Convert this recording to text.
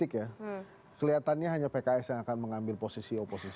kalau menurut politik ya kelihatannya hanya pks yang akan mengambil posisi oposisi